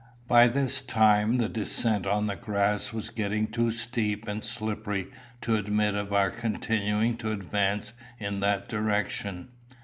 By this time the descent on the grass was getting too steep and slippery to admit of our continuing to advance in that direction.